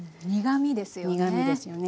苦みですよね。